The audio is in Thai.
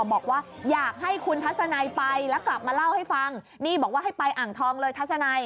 บอกว่าอยากให้คุณทัศนัยไปแล้วกลับมาเล่าให้ฟังนี่บอกว่าให้ไปอ่างทองเลยทัศนัย